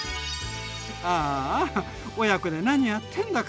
ああ親子で何やってんだか！